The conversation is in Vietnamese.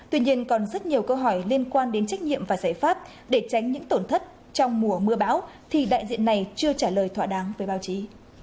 tuy nhiên còn rất nhiều câu hỏi liên quan đến trách nhiệm và giải pháp để tránh những tổn thất trong mùa mưa bão thì đại diện này chưa trả lời thỏa đáng với báo chí